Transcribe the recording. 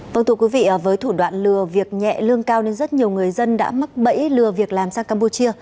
vâng thưa quý vị với thủ đoạn lừa việc nhẹ lương cao nên rất nhiều người dân đã mắc bẫy lừa việc làm sang campuchia